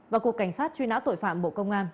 và cục cảnh sát truy nã tội phạm bộ công an